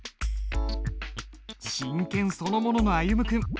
真剣そのものの歩夢君。